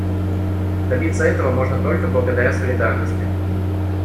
Добиться этого можно только благодаря солидарности.